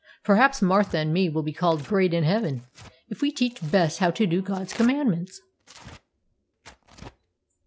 Perhaps Martha and me will be called great in heaven, if we teach Bess how to do God's commandments.'